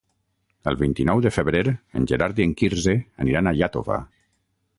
El vint-i-nou de febrer en Gerard i en Quirze aniran a Iàtova.